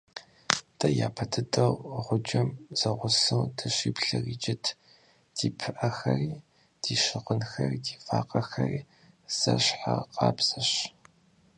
Дэ япэ дыдэу гъуджэм зэгъусэу дыщиплъэр иджыт: ди пыӀэхэри, ди щыгъынхэри, ди вакъэхэри зэщхьыркъабзэщ.